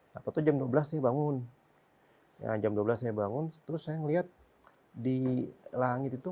takut tuh jam dua belas saya bangun jam dua belas saya bangun terus saya ngeliat di langit itu